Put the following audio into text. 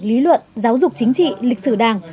lý luận giáo dục chính trị lịch sử đảng